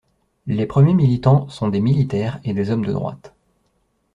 Les premiers militants sont des militaires et des hommes de droite.